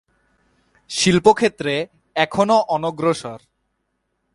শিল্পক্ষেত্রে এখনও অনগ্রসর।